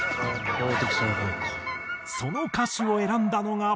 その歌手を選んだのが。